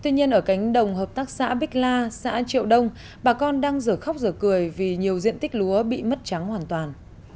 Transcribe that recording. tuy nhiên ở cánh đồng hợp tác xã bích la xã triệu đông bà con đang dở khóc giờ cười vì nhiều diện tích lúa bị mất trắng hoàn toàn